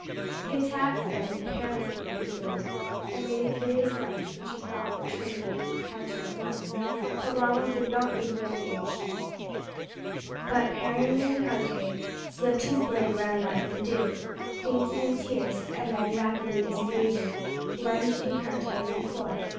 He attacked, then, carelessly and eagerly, and made a furious lunge which he thought would terminate the encounter at once; but Ronald did not give way an inch, but parrying in carte, slipped his blade round that of the duke, feinted in tierce, and then rapidly disengaging, lunged in carte as before.